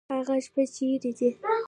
هغه شیبې چیري دي؟